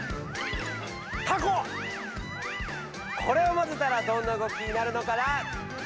これをまぜたらどんな動きになるのかな？